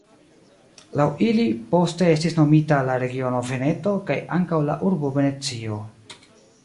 Laŭ ili poste estis nomita la regiono Veneto, kaj ankaŭ la urbo Venecio.